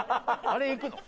あれいくの？